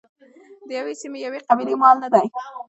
د یوې سیمې یوې قبیلې مال نه دی.